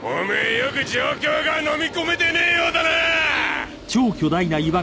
よく状況がのみ込めてねえようだなァ！